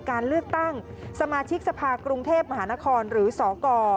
การเลือกตั้งสมาชิกสภากรุงเทพมหานครหรือสก